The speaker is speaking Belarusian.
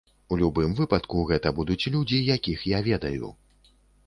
У любым выпадку, гэта будуць людзі, якіх я ведаю.